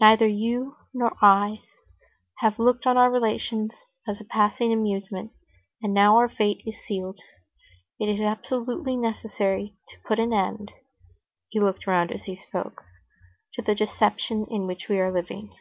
"Neither you nor I have looked on our relations as a passing amusement, and now our fate is sealed. It is absolutely necessary to put an end"—he looked round as he spoke—"to the deception in which we are living."